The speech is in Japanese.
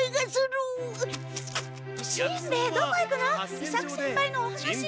伊作先輩のお話が。